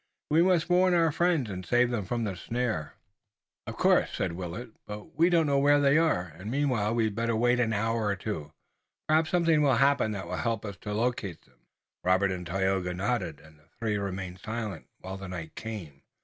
We must warn our friends and save them from the snare." "Of course," said Willet, "but we don't know where they are, and meanwhile we'd better wait an hour or two. Perhaps something will happen that will help us to locate them." Robert and Tayoga nodded and the three remained silent while the night came.